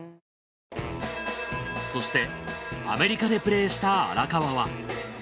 そしてアメリカでプレーした荒川は？